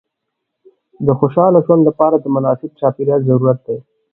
د خوشحاله ژوند لپاره د مناسب چاپېریال ضرورت دی.